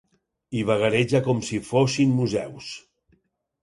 Hi vagareja com si fossin museus.